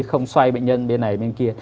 không xoay bệnh nhân bên này bên kia